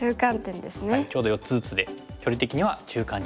ちょうど４つずつで距離的には中間地点。